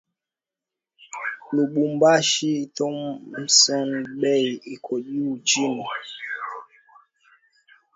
Lubumbashi thomson bei iko chini